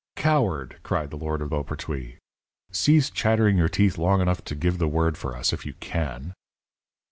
"Coward," cried the lord of Beaupertuys, "cease chattering your teeth long enough to give the word for us, if you can."